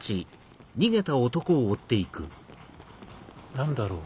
何だろう。